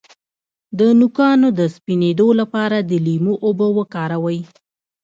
د نوکانو د سپینیدو لپاره د لیمو اوبه وکاروئ